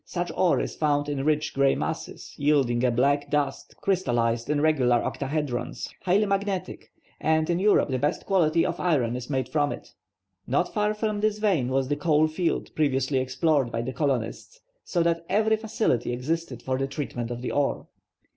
Such ore is found in rich grey masses, yielding a black dust crystallized in regular octahedrons, highly magnetic, and in Europe the best quality of iron is made from it. Not far from this vein was the coal field previously explored by the colonists, so that every facility existed for the treatment of the ore.